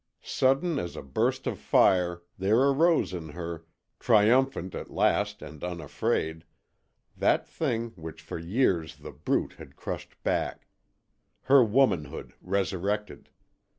Sudden as a burst of fire there arose in her triumphant at last and unafraid that thing which for years The Brute had crushed back: her womanhood resurrected!